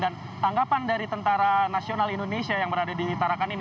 dan tanggapan dari tentara nasional indonesia yang berada di tarakan ini